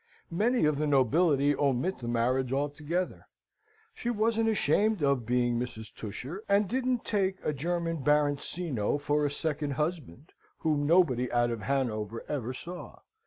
Many of the nobility omit the marriage altogether. She wasn't ashamed of being Mrs. Tusher, and didn't take a German Baroncino for a second husband, whom nobody out of Hanover ever saw.